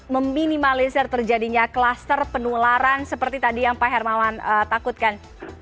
meminimalisir terjadinya kluster penularan seperti tadi yang pak hermawan takutkan